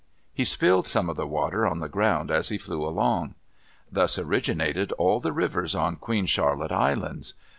He spilled some of the water on the ground as he flew along. Thus originated all the rivers on Queen Charlotte Islands.